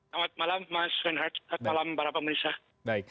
selamat malam mas renhardt selamat malam pak riza